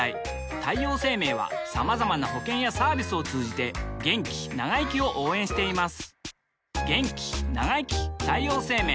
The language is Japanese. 太陽生命はまざまな保険やサービスを通じて気長生きを応援しています